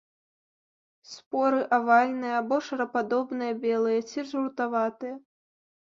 Споры авальныя або шарападобныя, белыя ці жаўтаватыя.